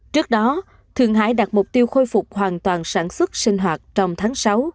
trước đó thượng hải đạt mục tiêu khôi phục hoàn toàn sản xuất sinh hoạt trong tháng sáu